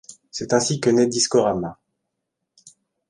C’est ainsi que naît Discorama.